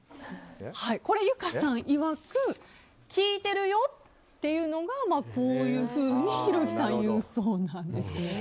これは、ゆかさんいわく聞いてるよというのがこういうふうにひろゆきさん、言うそうです。